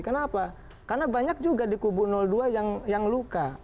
kenapa karena banyak juga di kubu dua yang luka